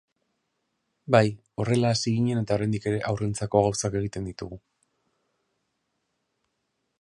Bai, horrela hasi ginen eta oraindik ere haurrentzako gauzak egiten ditugu.